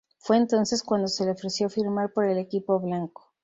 Fue entonces cuando se le ofreció firmar por el equipo blanco.